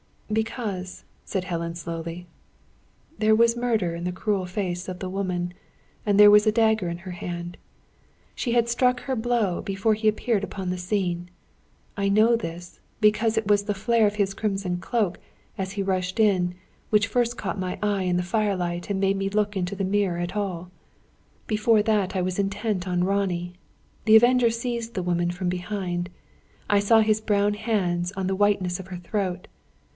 "Because," said Helen, slowly, "there was murder in the cruel face of the woman, and there was a dagger in her hand. She had struck her blow before he appeared upon the scene. I know this, because it was the flare of his crimson cloak, as he rushed in, which first caught my eye, in the firelight, and made me look into the mirror at all. Before that I was intent on Ronnie. The Avenger seized the woman from behind; I saw his brown hands on the whiteness of her throat.